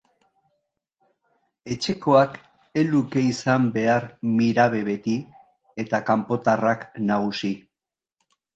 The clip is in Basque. Etxekoak ez luke izan behar mirabe beti, eta kanpotarrak nagusi.